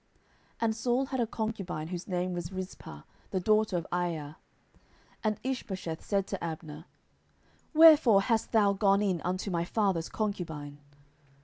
10:003:007 And Saul had a concubine, whose name was Rizpah, the daughter of Aiah: and Ishbosheth said to Abner, Wherefore hast thou gone in unto my father's concubine?